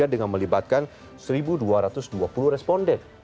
dengan melibatkan satu dua ratus dua puluh responden